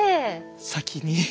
先に！